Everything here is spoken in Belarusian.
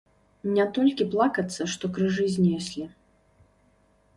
Не толькі плакацца, што крыжы знеслі.